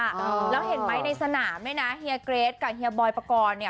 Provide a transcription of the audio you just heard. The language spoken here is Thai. แล้วเห็นไหมในสนามเนี่ยนะเฮียเกรทกับเฮียบอยปกรณ์เนี่ย